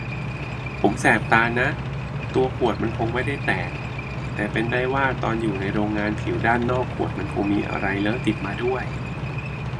ผมแสบตานะ ตัวขวดมันคงไม่ได้แตก แต่เป็นได้ว่าตอนอยู่ในโรงงานผิวด้านนอกขวดมันคงมีอะไรเลอะติดมาด้วย